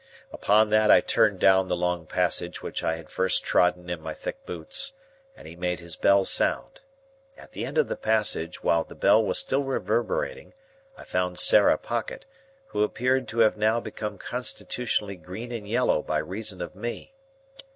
Upon that, I turned down the long passage which I had first trodden in my thick boots, and he made his bell sound. At the end of the passage, while the bell was still reverberating, I found Sarah Pocket, who appeared to have now become constitutionally green and yellow by reason of me.